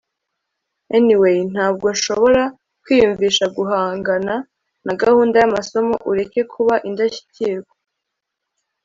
anyway. ntabwo nshobora kwiyumvisha guhangana na gahunda y'amasomo ureke kuba indashyikirwa